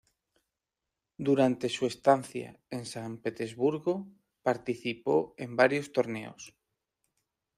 Durante su estancia en San Petersburgo, participó en varios torneos.